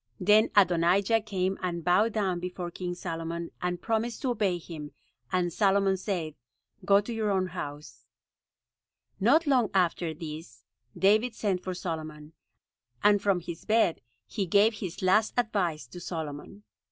Then Adonijah came and bowed down before King Solomon, and promised to obey him, and Solomon said, "Go to your own house." [Illustration: Solomon on his throne] Not long after this David sent for Solomon, and from his bed he gave his last advice to Solomon.